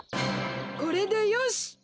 これでよし！